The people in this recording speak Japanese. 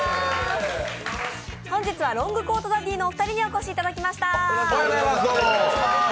本日はロングコートダディのお二人にもお越しいただきました。